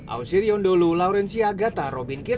ausirion dulu laurencia agata robin kudus